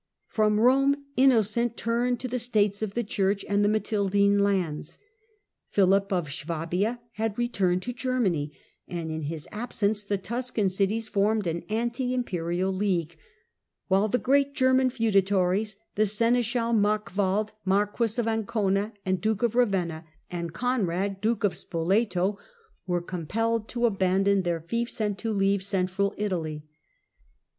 From Rome Innocent turned to the States of the Church and the Matildine lands. Philip of Swabia had returned to Germany, and in his absence the Tuscan cities formed an anti imperial league, while the great German feuda tories, the seneschal Markwald, Marquis of Ancona and Duke of Ravenna, and Conrad Duke of Spoleto, were com 180 THE CENTRAL PERIOD OF THE MIDDLE AGE pelled to abandon their fiefs and to leave central Italy.